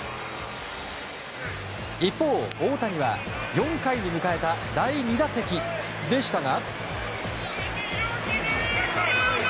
一方の大谷は４回に迎えた第２打席でしたが。